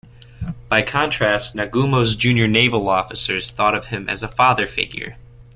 By contrast, Nagumo's junior naval officers thought of him as a father figure.